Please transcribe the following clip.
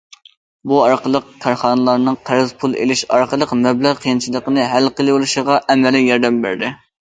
بۇ ئارقىلىق كارخانىلارنىڭ قەرز پۇل ئېلىش ئارقىلىق مەبلەغ قىيىنچىلىقىنى ھەل قىلىۋېلىشىغا ئەمەلىي ياردەم بەردى.